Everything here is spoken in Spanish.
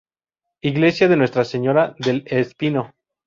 Iglesia de Nuestra Señora del Espino.